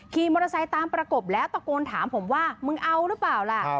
ขี่มอเตอร์ไซค์ตามประกบแล้วตะโกนถามผมว่ามึงเอาหรือเปล่าล่ะ